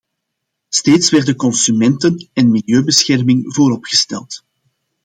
Steeds werden consumenten- en milieubescherming voorop gesteld.